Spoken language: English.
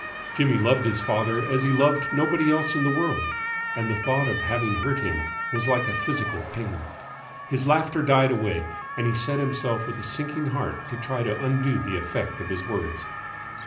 Jimmy loved his father as he loved nobody else in the world, and the thought of having hurt him was like a physical pain. His laughter died away and he set himself with a sinking heart to try to undo the effect of his words.